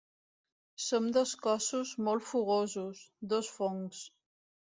Som dos cossos molt fogosos, dos fongs.